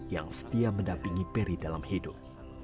yang setia mendampingi peri dalam hidup